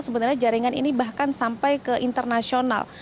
sebenarnya jaringan ini bahkan sampai ke internasional